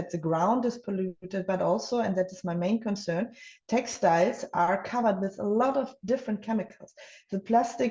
ini berarti jika mereka berpengaruh di dalam lingkungan kemudian seperti perut plastik lain mereka menjadi mikroplastik